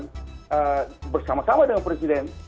dan bersama sama dengan presiden